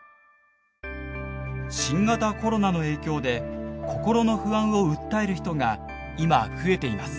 新型コロナの影響で心の不安を訴える人が今増えています。